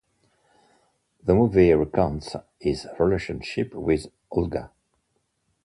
The movie recounts his relationship with Olga.